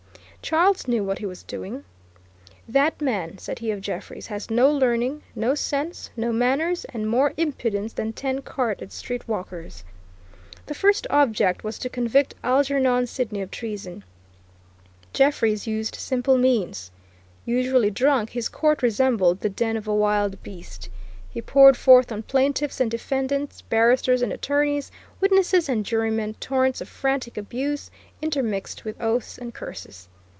Charles knew what he was doing. "That man," said he of Jeffreys, "has no learning, no sense, no manners, and more impudence than ten carted street walkers." The first object was to convict Algernon Sidney of treason. Jeffreys used simple means. Usually drunk, his court resembled the den of a wild beast. He poured forth on "plaintiffs and defendants, barristers and attorneys, witnesses and jurymen, torrents of frantic abuse, intermixed with oaths and curses."